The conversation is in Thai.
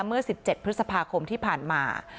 เมื่อ๑๗พฤษภาคมที่ผ่านมา